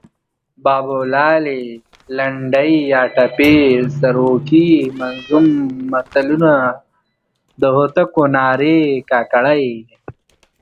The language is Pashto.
بابولالې، لنډۍ یا ټپې، سروکي، منظوم متلونه، د هوتکو نارې، کاکړۍ